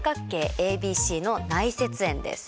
ＡＢＣの内接円です。